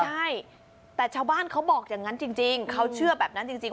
ใช่แต่ชาวบ้านเขาบอกอย่างนั้นจริงเขาเชื่อแบบนั้นจริง